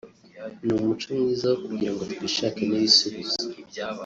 ni umuco mwiza wo kugira ngo twishakemo ibisubizo